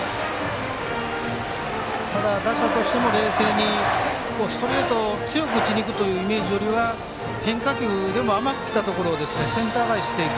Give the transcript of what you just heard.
ただ、打者としても冷静にストレートを強く打ちにいくというイメージよりは変化球でも甘くきたところをセンター返ししていく。